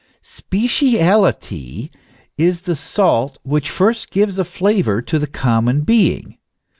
Speciality is the salt which first gives a flavour to the common being.